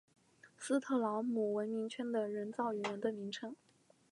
斯特劳姆文明圈的人造语言的名称。